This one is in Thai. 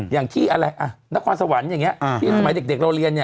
อย่างที่อะไรนครสวรรค์อย่างนี้ที่สมัยเด็กเราเรียน